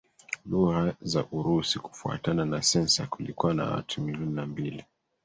lugha za Urusi Kufuatana na sensa kulikuwa na watu milioni na mbili